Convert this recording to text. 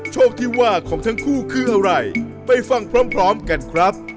โชคที่ว่าของทั้งคู่คืออะไรไปฟังพร้อมกันครับ